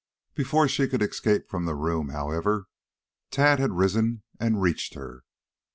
Before she could escape from the room, however, Tad had risen and reached her.